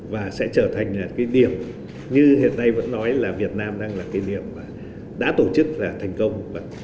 và sẽ trở thành cái điểm như hiện nay vẫn nói là việt nam đang là cái điểm đã tổ chức là thành công